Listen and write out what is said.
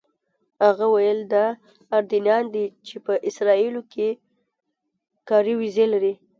هغه وویل دا اردنیان دي چې په اسرائیلو کې کاري ویزې لري.